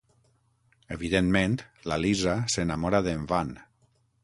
Evidentment, la Lisa s'enamora d'en Van.